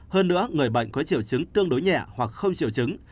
hơn nữa người bệnh có triệu chứng tương đối nhẹ hoặc không triệu chứng